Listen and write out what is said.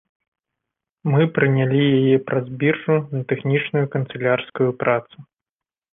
Мы прынялі яе праз біржу на тэхнічную канцылярскую працу.